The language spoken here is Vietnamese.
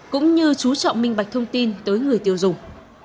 cũng như chú trọng minh bạch thông tin tới người tiêu dùng